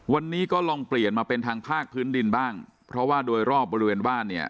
วันนี้ก็ลองเปลี่ยนมาเป็นทางภาคพื้นดินบ้างเพราะว่าโดยรอบบริเวณบ้านเนี่ย